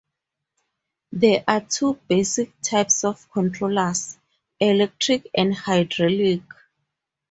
There are two basic types of controllers, electric and hydraulic.